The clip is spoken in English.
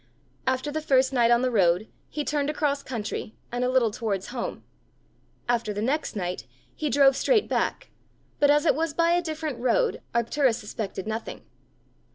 After the first night on the road, he turned across country, and a little towards home; after the next night, he drove straight back, but as it was by a different road, Arctura suspected nothing.